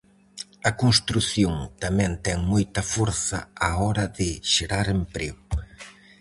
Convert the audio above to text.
A construción tamén ten moita forza á hora de xerar emprego.